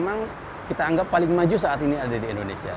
memang kita anggap paling maju saat ini ada di indonesia